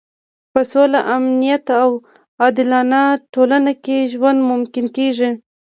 په سوله، امنیت او عادلانه ټولنه کې ژوند ممکن کېږي.